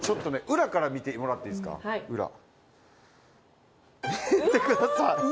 裏から見てもらっていいですか見てください